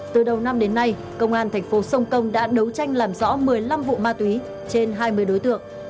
từ đầu năm đến nay công an tp hcm đã đấu tranh làm rõ một mươi năm vụ ma túy trên hai mươi đối tượng